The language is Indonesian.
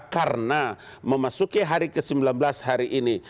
karena memasuki hari ke sembilan belas hari ini